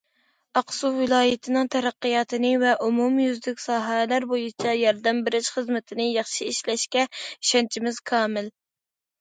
ئاقسۇ ۋىلايىتىنىڭ تەرەققىياتىنى ۋە ئومۇميۈزلۈك ساھەلەر بويىچە ياردەم بېرىش خىزمىتىنى ياخشى ئىشلەشكە ئىشەنچىمىز كامىل.